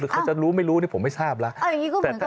คือเขาจะรู้ไม่รู้ผมไม่ทราบแล้ว